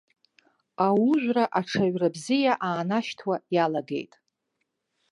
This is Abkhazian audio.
Аужәра аҽаҩрабзиа аанашьҭуа иалагеит.